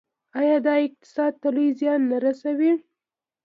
آیا دا اقتصاد ته لوی زیان نه رسوي؟